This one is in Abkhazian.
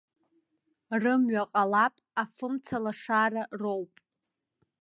Рымҩа ҟалап, афымца лашара роуп.